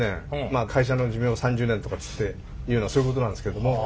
会社の寿命は３０年とかっつっていうのはそういうことなんですけども。